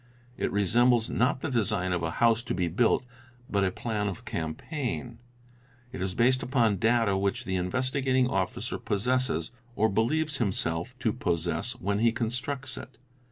It resembles, not the design of a house to be built, but a plan of campaign. It is based upon data which the Investigating Officer possesses, or believes himself to possess, when he constructs it.